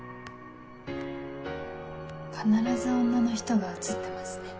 必ず女の人が写ってますね。